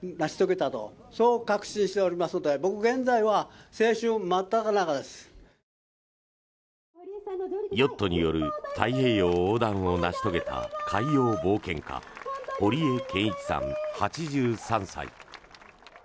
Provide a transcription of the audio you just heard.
この前人未到の大記録達成の陰にヨットによる太平洋横断を成し遂げた海洋冒険家堀江謙一さん、８３歳。